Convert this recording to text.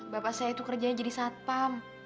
bapak saya itu kerjanya jadi satpam